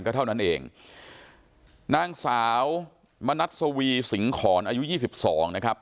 ก็เท่านั้นเองนางสาวมณัฐสวีสิงหอนอายุยี่สิบสองนะครับ